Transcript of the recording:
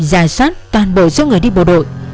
giải soát toàn bộ số người đi bộ đội